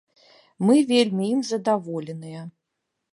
Мы вельмі ім задаволеныя.